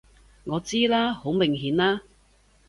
我知啦！好明顯啦！